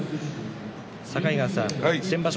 境川さん、先場所